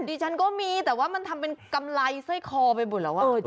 ดิฉันก็มีแต่ว่ามันทำเป็นกำไรสร้อยคอไปหมดแล้ว